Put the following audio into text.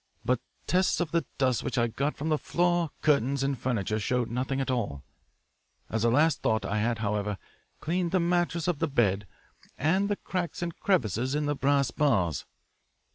But tests of the dust which I got from the floors, curtains, and furniture showed nothing at all. As a last thought I had, however, cleaned the mattress of the bed and the cracks and crevices in the brass bars.